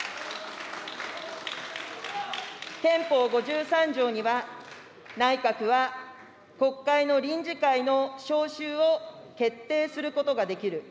憲法５３条には、内閣は国会の臨時会の召集を決定することができる。